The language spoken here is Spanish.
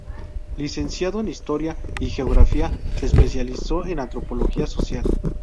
Licenciado en Historia y Geografía, se especializó en antropología social.